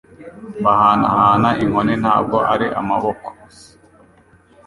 Bahanahana inkoni ntabwo ari amaboko gusa